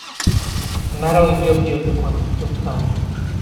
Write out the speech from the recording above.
مرا اینجا پیاده کنید، لطفا.